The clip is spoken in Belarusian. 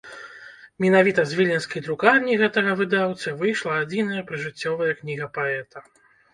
Менавіта з віленскай друкарні гэтага выдаўцы выйшла адзіная прыжыццёвая кніга паэта.